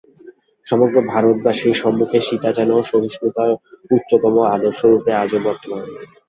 সমগ্র ভারতবাসীর সমক্ষে সীতা যেন সহিষ্ণুতার উচ্চতম আদর্শ- রূপে আজও বর্তমান।